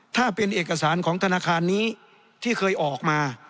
ถ้าเป็นเอกสารของธนาคารนี้ที่เคยออกมา